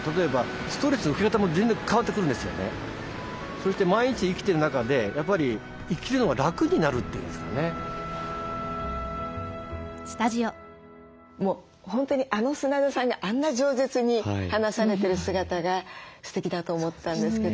そして毎日生きている中でやっぱり本当にあの砂田さんがあんな冗舌に話されてる姿がすてきだと思ったんですけど。